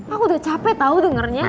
aku udah capek tau dengernya